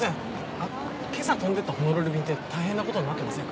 あっけさ飛んでったホノルル便って大変なことになってませんか？